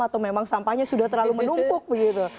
atau memang sampahnya sudah terlalu menumpuk begitu